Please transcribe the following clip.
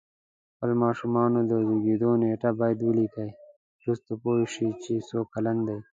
خپل ماشومانو د زیږېدو نېټه باید ولیکئ وروسته پوه شی چې څو کلن دی